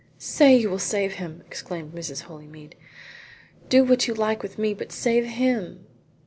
"Say you will save him!" exclaimed Mrs. Holymead. "Do what you like with me, but save him."